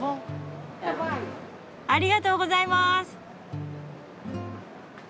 ありがとうございます。